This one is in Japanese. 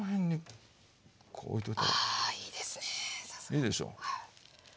いいでしょ。